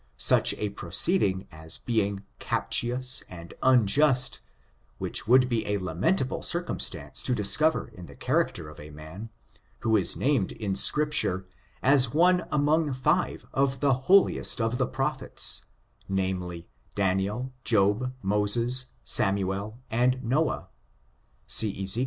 Such a proceeding as being captious and unjust, which would be a lamentable circumstance to discov er in the character of a man, who is named in Scrip ture as one among five of the holiest of the prophets, namely, Daniel, Job, Moses, Samuel and Noah, see Ezek.